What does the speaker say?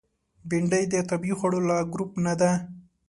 بېنډۍ د طبیعي خوړو له ګروپ نه ده